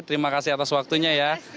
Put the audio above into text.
terima kasih atas waktunya ya